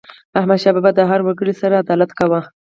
احمدشاه بابا به د هر وګړي سره عدالت کاوه.